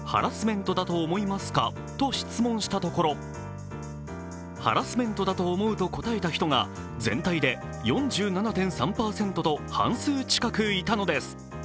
ハラスメントだと思いますか？と質問したところハラスメントだと思うと答えた人が全体で４７．３％と半数近くいたのです。